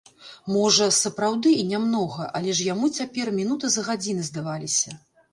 Можа, сапраўды і не многа, але ж яму цяпер мінуты за гадзіны здаваліся.